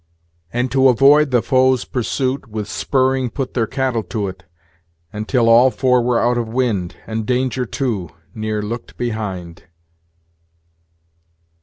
"And to avoid the foe's pursuit, With spurring put their cattle to't; And till all four were out of wind, And danger too, neer looked behind."